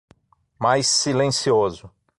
Mais silencioso